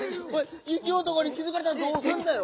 ゆきおとこに気づかれたらどうすんだよ？